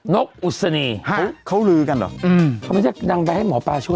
นกอุศนีเขาลือกันเหรอเขาไม่ใช่ดังไปให้หมอปลาช่วย